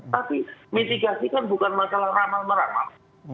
tapi mitigasi kan bukan masalah ramah ramah